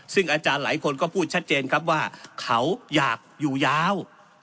ซึ่งอาจารย์หลายคนก็พูดชัดเจนครับว่าเขาอยากอยู่ยาว